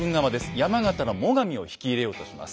山形の最上を引き入れようとします。